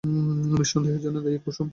নিঃসন্দেহে এজন্য দায়ী কুসুম।